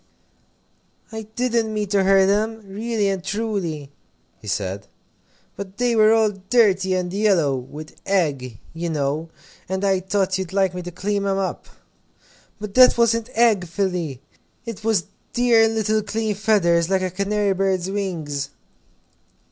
"I didn't mean to hurt 'em, really and truly," he said, "but they were all dirty and yellow with egg, you know, and I thought you'd like me to clean 'em up." "But that wasn't egg, Philly it was dear little clean feathers, like a canary bird's wings."